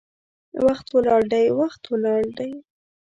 وخت ولاړ دی، وخت ولاړ دی